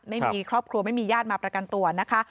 ไม่มีครอบครัวไม่มีญาติมาประกันตัวนะคะ